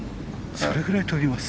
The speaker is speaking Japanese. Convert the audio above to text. それぐらい飛びます。